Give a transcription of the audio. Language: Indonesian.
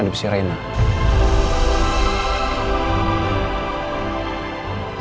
saya pastikan kalian juga gak akan dapet